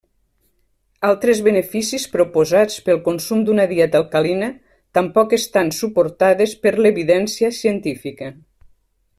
Altres beneficis proposats pel consum d'una dieta alcalina tampoc estan suportades per l'evidència científica.